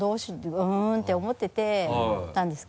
うん？って思ってたんですけど。